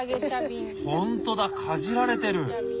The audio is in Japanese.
ほんとだかじられてる！